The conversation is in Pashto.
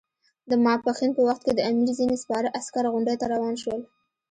د ماپښین په وخت کې د امیر ځینې سپاره عسکر غونډۍ ته روان شول.